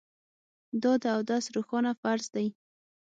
دا د اودس روښانه فرض دی